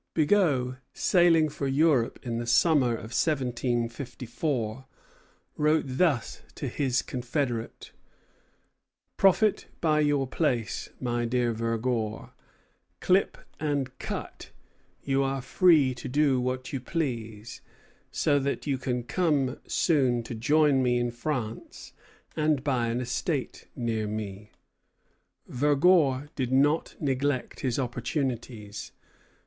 Bigot, sailing for Europe in the summer of 1754, wrote thus to his confederate: "Profit by your place, my dear Vergor; clip and cut you are free to do what you please so that you can come soon to join me in France and buy an estate near me." Vergor did not neglect his opportunities.